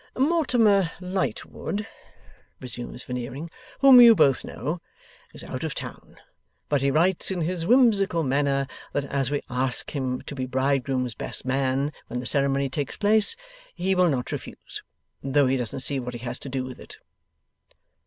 ') 'Mortimer Lightwood,' resumes Veneering, 'whom you both know, is out of town; but he writes, in his whimsical manner, that as we ask him to be bridegroom's best man when the ceremony takes place, he will not refuse, though he doesn't see what he has to do with it.